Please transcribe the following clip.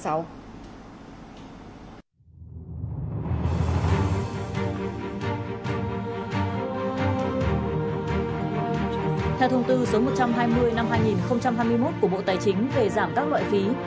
theo thông tư số một trăm hai mươi năm hai nghìn hai mươi một của bộ tài chính về giảm các loại phí